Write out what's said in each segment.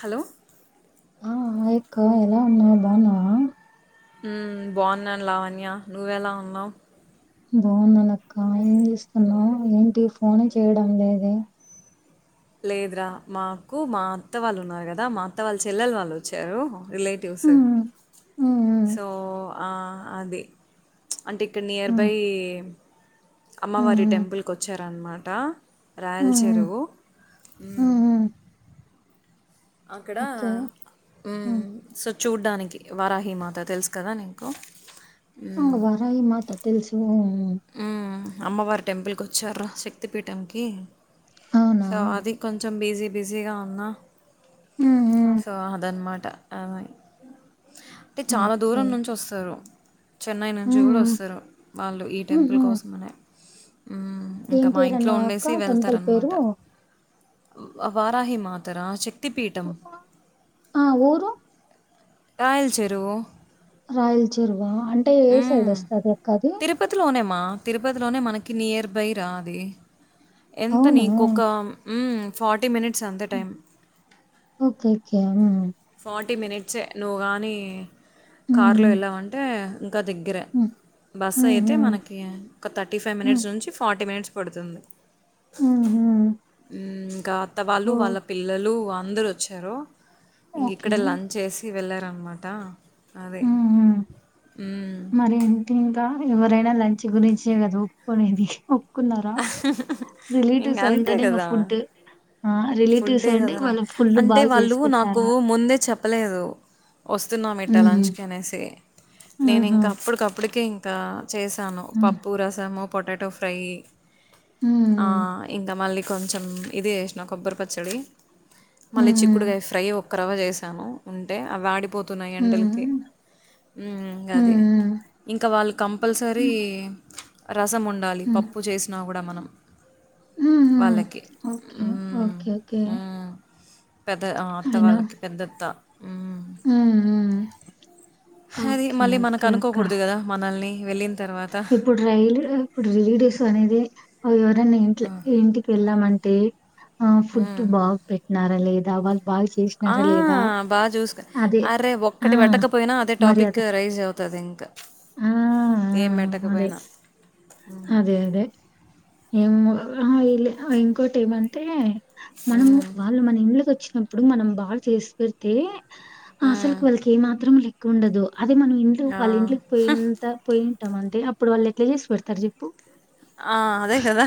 Hello ఆ ఆయక్క ఎలా ఉన్నా బాన్నావా హ్మ్ బాగున్నాను లావణ్య నువ్వెలా ఉన్నావు బావుననుఅక్క ఏం చేస్తున్నావు ఏంటి ఫోనే చేయడం లేద లేదురా మాకు మా అత్త వాళ్ళు ఉన్నారు కదా మా అత్త వాళ్ళ చెల్లెలు వాళ్ళు వచ్చారు రిలేటివ్స్ హ్మ్ హ్మ్ సో ఆ అది అంటే ఇక్కడ హ్మ్ నియర్బై అమ్మవారి హ్మ్ టెంపుల్కి వచ్చారన్నమాట రాయలచరువు హ్మ్ అక్కడ ఓకే హ్మ్ సో చూడ్డానికి వారాహీమాత తెలుసు కదా నీకు ఆహ్ వరహి మత మాత తెలుసు అమ్మవారి టెంపుల్కి వచ్చారు శక్తిపీఠంకి అవునా సో అది కొంచెం బిజీ బిజీగా ఉన్న హ్మ్ హ్మ్ సో అదన్నమాట అ అయితే చాలా ఓకే దూరం నుంచి వస్తారు చెన్నై నుంచి గుడా హ్మ్ వస్తారు వాళ్ళు ఈ టెంపుల్ హుహు కోసం అనే ఏం పేరున్నా ఉండేసి అక్క టెంపుల్ వెళ్తారనమాట. పేరు వ వారాహి మాతర చిక్ తి పీఠం ఆ ఊరు రాయల చెరువు రాయల్చరువ అంటే ఏ సైడ్ వస్తాది అక్క అది పోనేమా తిరుపతిలోనే మనకి నియర్ బై రా అది ఎంత అవునా నీకొక హ్మ్ ఫాట్ ఓకే కే థర్టీ మినిట్స్ నువ్వు గాని కారులో హ్మ్ వెళ్ళామంటే ఇంకా దగ్గారా హ్మ్ బస్ ఎత్ హుహు. ఓకే ఒక థర్టీ ఫైవ్ మినిట్స్ నుంచి ఫా ఫార్టీ మినిట్స్ పడుతుంది హు హ్మ్మ్ హ్మ్మ్ ఇంకా వాళ్ళు వాళ్ళ పిల్లలు అందరు వచ్చారు ఇంక ఓకే. ఇక్కడే లంచ్ చేసి వెళ్ళ ధన్ మాట అదే మరి ఏంటి ఇంకా ఎవరైనా లంచ్ గురించే కదా ఒప్పునేది ఇంకా అంతే అంటేనే ఇంగ కదా ఫుడ్ ఆ! రిలేటివ్స్ ఫుడ్డే అంటే కదరా వాళ్ళకి ఫుల్లు అంటే బాగా వాళ్ళు చేసి నాకు పెట్టారా? ముందే చెప్పలేదు వస్తు చతున్నాం హుహు. ఇట్టలాంచ్కి అనేసి నేను హుహు. ఇంక అప్పటికప్పటికం ఇంకా చేశాను హ్మ్. పప్పు రసము పొటాటో ఫ్రై ఆ హ్మ్. ఇంకా మళ్ళీ కొంచెం ఇది చేసిన కొబ్బరి పచ్చడి మళ్ళీ హ్మ్. చిక్కుడుకాయ ఫ్రైయో ఒక రవ చేసాను ఉంటే అవి ఆడిపోత అతున్నాయి హ్మ్. ఎండలకి ఉమ్ అది హ్మ్. ఇంకా వాళ్ళు కంపల్సరీ హ్మ్. రసం ఉండాలి హ్మ్. పప్పు చేసి కూడా మనం హుహు. వాళ్ళకి ఓకే. హ్మ్మ్ ఓకే. ఓకే. ఉమ్ పెద్ద ఆ అత్త అయినా వాళ్ళకి పెద్దత్త హ్మ్. హ్మ్. హది ఓకే. మళ్ళీ మనకు ఓకే అక్క. అనుకోకూడదు కదా మనల్ని ఇవళ ఇప్పుడు రైల్ ఇప్పుడు రేడియోస్ అనేది అవును అ ఇం ఇంటికి వెళ్ళామంటే తే ఆ ఫుడ్డు మ్మ్. బాగ్ పెట్టినారా లేద్ దావల్ ఆ బాగ చూసొకు అదే. అరే ఆ! ఒక్కటి పెట్టకపోయినా అదే టాపిక్ రైజ్ గదింక. ఆ అదే అదే అదే ఏమ్మో అహా ఈలే ఇంకోటేమంటే మనం మ్మ్. వాళ్ళు మన ఇంళకొచ్చి అప్పుడు మనం బాగా చేసి పెడితే. ఆసల్ మ్మ్. క్ వాల్కేమాత్రం లే కుండదు. అదే మనం ఇంట్లు ఆ. వాళ్ళ ఇంట్లుక్ పోయింత పోయి తమంద్ టి అప్పుడు వాళ్ళెట్ల చేసి పెడతారు చెప్పు ఆ అదే కదా.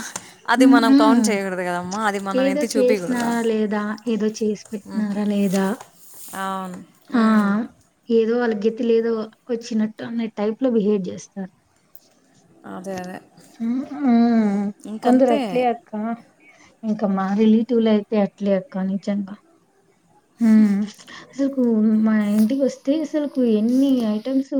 అది హ్మ్. మనం హ్మ్. కౌంట్ చేయకూడదు కదా అమ్మ అది ఏదో మనమైతే చెప్పకూడదు. చేసినారా లేదా? ఏదో చేసి పెట్టినారా లేదా? అవును. ఉమ్. గతి లేదో వచ్చినట్టు అనే టైప్ లో బిహేవ్ చేస్తారు అదే అదే ఉమ్ ఉమ్ ఇంకంతే కొందరట్లే అక్క ఇంకా రిలేటివ్ లో అయితే. అట్లే అక్క నిజంగా. హుమ్. అసలుకు మా ఇంటికి వస్తే అసలుకు ఎన్ని ఐటమ్స్.